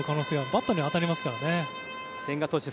バットに当たりますからね。